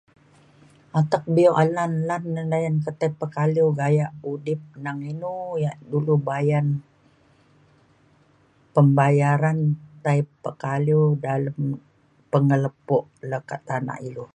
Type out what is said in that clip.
atek bio lan lan ne layan ketai pekaliu gayak udip neng inu yak dulu bayan pembayaran tai pekaliu dalem pengelepo le kak tanak ilu